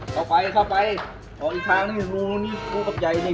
เข้าไปเข้าไปออกอีกทางนี่รู้นี่รู้กับใจนี่